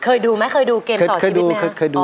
เคยดูไหมเคยดูเกมต่อชีวิตไหม